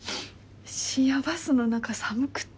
深夜バスの中寒くって。